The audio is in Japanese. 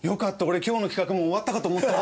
俺今日の企画もう終わったかと思った。